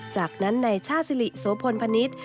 จากนั้นในชาติสิริโสพลพนิษฐ์